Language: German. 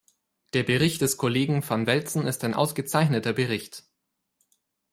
Der Bericht des Kollegen van Velzen ist ein ausgezeichneter Bericht.